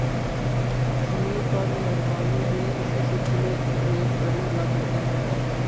سمیع پر مہربانی بھی اسی سلسلے کی ایک کڑی لگ رہی ہے